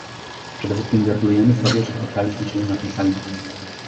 Przede wszystkim gratulujemy sobie, że spotkaliśmy się na tej sali